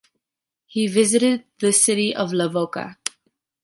He visited the city of Levoča.